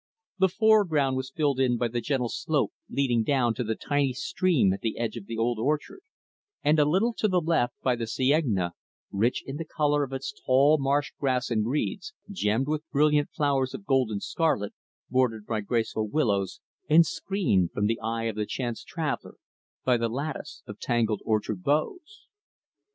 The foreground was filled in by the gentle slope leading down to the tiny stream at the edge of the old orchard and, a little to the left, by the cienaga rich in the color of its tall marsh grass and reeds, gemmed with brilliant flowers of gold and scarlet, bordered by graceful willows, and screened from the eye of the chance traveler by the lattice of tangled orchard boughs.